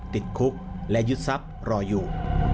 ติดคุกและยึดทรัพย์รออยู่